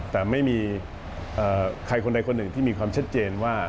แต่ไม่มีใครคนใดคนหนึ่งที่มีความชัดเจนว่า